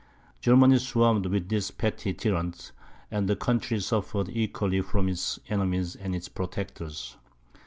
Germany swarmed with these petty tyrants, and the country suffered equally from its enemies and its protectors.